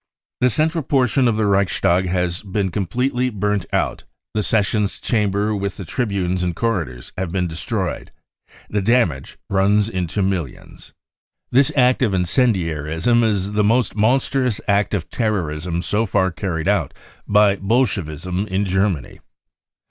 4 4 The central portion of the Reichstag has been com "' pletely burnt out, the sessions chamber with the 1 the Ileal incendiaries 67 tribunes and coiVidors have been destroyed. The damage runs into millions. " This act of incendiarism is the most monstrous act of terrorism so far carried out by Bolshevism in Germany.